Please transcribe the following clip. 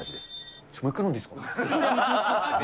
ちょっともう一回飲んでいいですか。